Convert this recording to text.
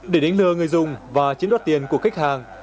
để đánh lừa người dùng và chiến đoạt tiền của khách hàng